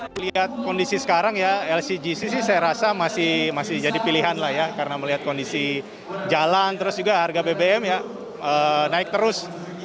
melihat kondisi sekarang ya lcgc sih saya rasa masih jadi pilihan lah ya karena melihat kondisi jalan terus juga harga bbm ya naik terus